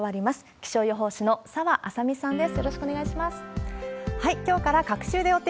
気象予報士の澤麻美さんです。